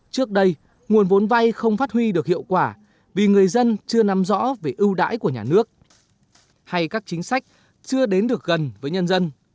trước đây nguồn vốn vay không phát huy được hiệu quả vì người dân chưa nắm rõ về ưu đãi của nhà nước hay các chính sách chưa đến được gần với nhân dân